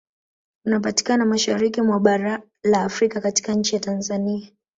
Unapatikana mashariki mwa bara la Afrika katika nchi ya Tanzania